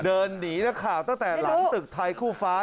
เดินหนีนักข่าวตั้งแต่หลังตึกไทยคู่ฟ้า